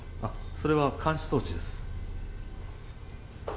それは監視装置です。